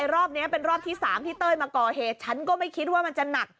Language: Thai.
รอบนี้เป็นรอบที่๓ที่เต้ยมาก่อเหตุฉันก็ไม่คิดว่ามันจะหนัก